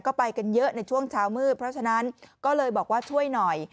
ก็ไปกันเยอะในช่วงเช้ามืดเพราะฉะนั้นก็เลยบอกว่าช่วยหน่อย